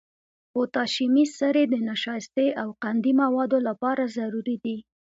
پوتاشیمي سرې د نشایستې او قندي موادو لپاره ضروري دي.